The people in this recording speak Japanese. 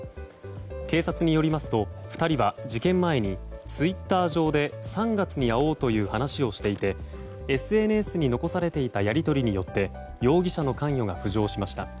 警察によりますと２人は事件前にツイッター上で３月に会おうという話をしていてＳＮＳに残されていたやり取りによって容疑者の関与が浮上しました。